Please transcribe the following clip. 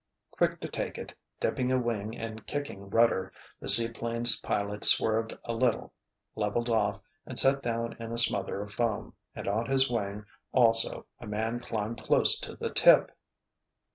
Quick to take it, dipping a wing and kicking rudder, the seaplane's pilot swerved a little, leveled off, and set down in a smother of foam, and on his wing also a man climbed close to the tip!